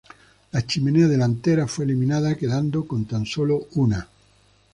La chimenea delantera fue eliminada quedando con tan solo una.